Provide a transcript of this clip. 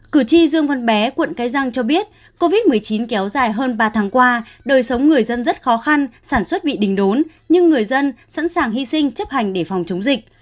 cử tri dương văn bé quận cái răng cho biết covid một mươi chín kéo dài hơn ba tháng qua đời sống người dân rất khó khăn sản xuất bị đình đốn nhưng người dân sẵn sàng hy sinh chấp hành để phòng chống dịch